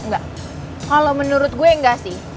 enggak kalo menurut gue enggak sih